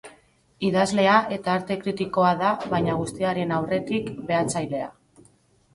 Idazlea eta arte kritikoa da, baina guztiaren aurretik, behatzailea.